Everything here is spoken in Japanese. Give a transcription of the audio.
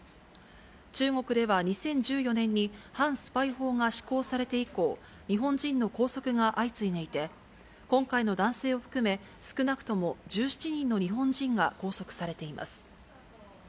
中国では２０１４年に、反スパイ法が施行されて以降、日本人の拘束が相次いでいて、今回の男性を含め、少なくとも１７人の日本人が拘束されています。